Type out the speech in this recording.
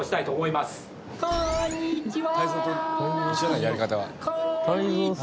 こんにちは！